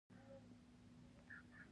عدالت د ټولنیز ثبات اساس دی.